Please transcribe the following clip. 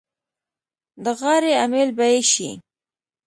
د غاړې امېل به یې شي.